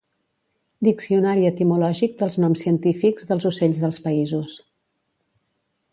Diccionari etimològic dels noms científics dels ocells dels Països.